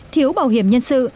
thiếu bảo hiểm nhân sự